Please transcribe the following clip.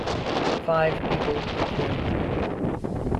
Five people were killed.